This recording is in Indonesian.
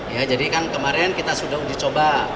ya jadi kan kemarin kita sudah dicoba